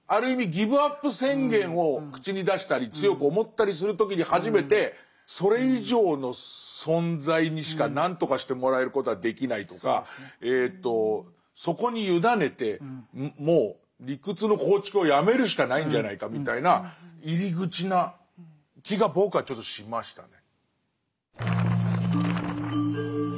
ギブアップ宣言を口に出したり強く思ったりする時に初めてそれ以上の存在にしか何とかしてもらえることはできないとかそこに委ねてもう理屈の構築をやめるしかないんじゃないかみたいな入り口な気が僕はちょっとしましたね。